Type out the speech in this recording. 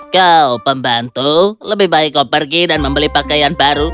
kau pembantu lebih baik kau pergi dan membeli pakaian baru